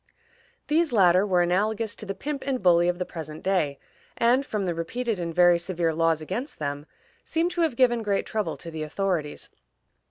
These latter were analogous to the pimp and bully of the present day, and, from the repeated and very severe laws against them, seem to have given great trouble to the authorities.